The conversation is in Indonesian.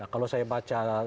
kalau saya baca